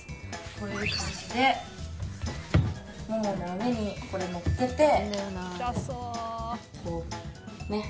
こういう感じでももの上にこれを乗っけて。